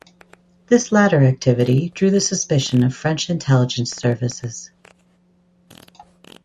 This latter activity drew the suspicion of French intelligence services.